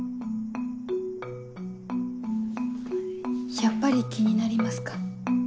やっぱり気になりますか？